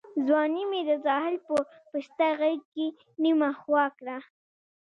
ځواني مي د ساحل په پسته غېږ کي نیمه خوا کړه